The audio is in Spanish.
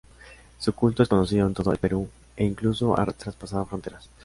Su culto es conocido en todo el Perú e incluso ha traspasado fronteras.